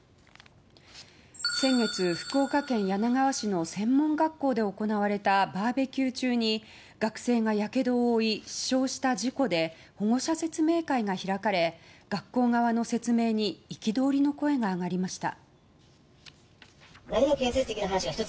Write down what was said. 先月、福岡県柳川市の専門学校で行われたバーベキュー中に学生がやけどを負い死傷した事故で保護者説明会が開かれ学校側の説明に憤りの声が上がりました。